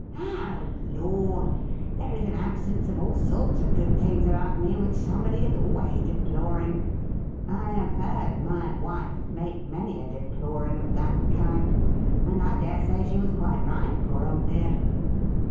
' Oh, Lord ! there is an absence of all sorts of good things about me which somebody is always deploring. I have heard my wife make many a deploring of that kind, and I dare say she was quite right, poor old dear